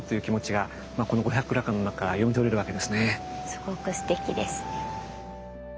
すごくすてきですね。